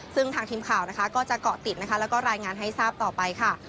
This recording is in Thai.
ซึ่งทางทีมข่าวนะคะก็จะเกาะติดนะคะแล้วก็รายงานให้ทราบต่อไปค่ะ